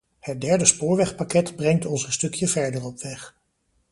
Het derde spoorwegpakket brengt ons een stukje verder op weg.